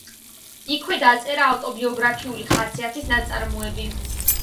იქვე დაწერა ავტობიოგრაფიული ხასიათის ნაწარმოები.